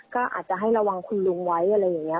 ก็อาจจะให้ระวังคุณลุงไว้อะไรอย่างนี้